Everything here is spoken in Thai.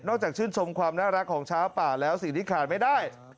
จากชื่นชมความน่ารักของช้างป่าแล้วสิ่งที่ขาดไม่ได้